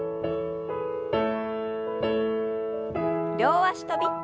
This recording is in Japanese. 両脚跳び。